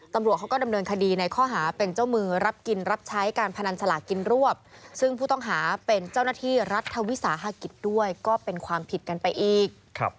ตำรวจเขาก็ดำเนินคดีในข้อหาเป็นเจ้ามือรับกินรับใช้การพนันสลากินรวบซึ่งผู้ต้องหาเป็นเจ้าหน้าที่รัฐวิสาหกิจด้วยก็เป็นความผิดกันไปอีก